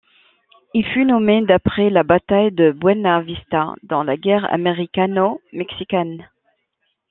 Il fut nommé d'après la bataille de Buena Vista dans la guerre américano-mexicaine.